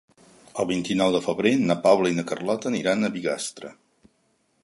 El vint-i-nou de febrer na Paula i na Carlota aniran a Bigastre.